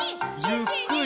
「ゆっくり」